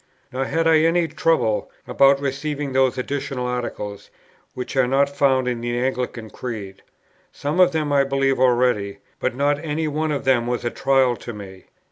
Nor had I any trouble about receiving those additional articles, which are not found in the Anglican Creed. Some of them I believed already, but not any one of them was a trial to me.